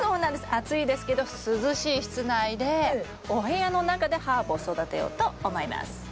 暑いですけど涼しい室内でお部屋の中でハーブを育てようと思います。